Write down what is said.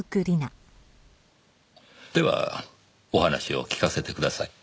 ではお話を聞かせてください。